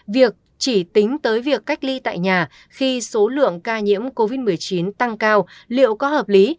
việc chỉ tính tới việc cách ly tại nhà khi số lượng ca nhiễm covid một mươi chín tăng cao liệu có hợp lý